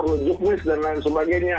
perlu juknis dan lain sebagainya